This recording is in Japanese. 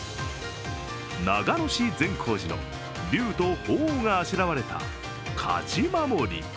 長野市・善光寺の竜と鳳凰があしらわれた勝守。